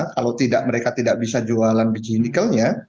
kalau mereka tidak bisa jualan biji nikelnya